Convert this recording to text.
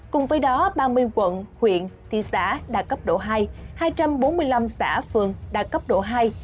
cùng với đó ba mươi quận huyện thị xã đạt cấp độ hai hai trăm bốn mươi năm xã phường đạt cấp độ hai